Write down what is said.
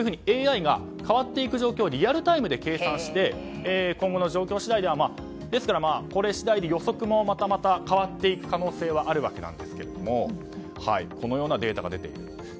ＡＩが変わっていく状況をリアルタイムで計算して今後の状況次第では、ですからこれ次第で予測もまたまた変わっていく可能性はあるわけなんですがこのようなデータが出ている。